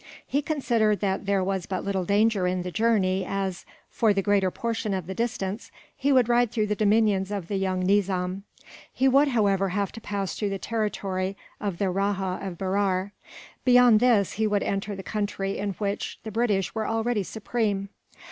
He considered that there was but little danger in the journey as, for the greater portion of the distance, he would ride through the dominions of the young Nizam. He would, however, have to pass through the territory of the Rajah of Berar; beyond this, he would enter the country in which the British were already supreme.